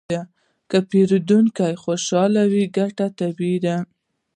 که پیرودونکی خوشحاله وي، ګټه طبیعي ده.